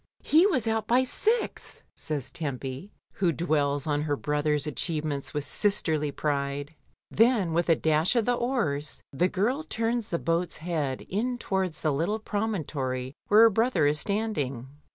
"He was out by six," says Tempy, who dwells "a boat, a boat unto the ferry." 163 on her brother's achievements with sisterly pride. Then, with a dash of the oars, the girl turns the boat's head in towards the little promontory where her brother is standing.